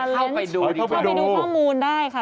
เข้าไปดูข้อมูลได้ค่ะ